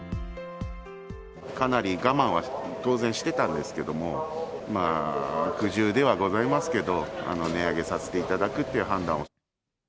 かなり我慢は、当然してたんですけれども、苦汁ではございますけど、値上げさせていただくって判断を。